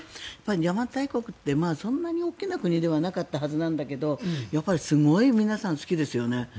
邪馬台国ってそんなに大きな国ではなかったはずなんだけどやっぱりすごい皆さん、好きですよね。